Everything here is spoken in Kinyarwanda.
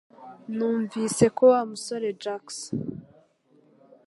Numvise ko Wa musore Jackson